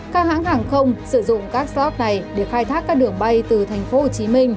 các hãng hàng không sử dụng các shop này để khai thác các đường bay từ tp hcm